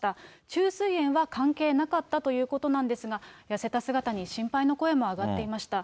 虫垂炎は関係なかったということなんですが、痩せた姿に心配の声も上がっていました。